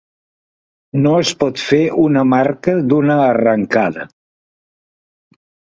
No es pot fer una marca d'una arrencada.